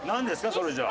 それじゃあ。